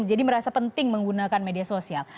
jadi merasa penting menggunakan media sosial